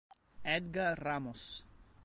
Edgar Ramos